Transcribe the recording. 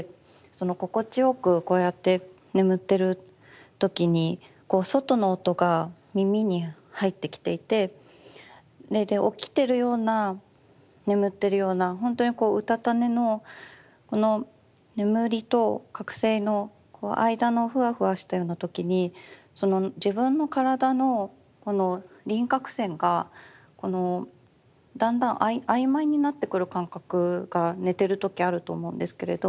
心地よくこうやって眠ってる時にこう外の音が耳に入ってきていて起きてるような眠ってるようなほんとにこううたた寝のこの眠りと覚醒の間のふわふわしたような時にその自分の体のこの輪郭線がだんだん曖昧になってくる感覚が寝てる時あると思うんですけれど。